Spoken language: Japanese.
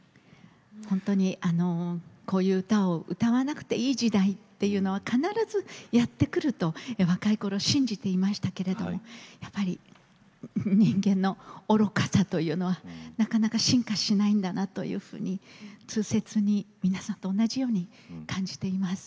本当にこういう歌を歌わなくていい時代というのは必ずやって来ると若いころ信じていましたけれども人間の愚かさというのはなかなか進化しないんだなと痛切に皆さんと同じように感じています。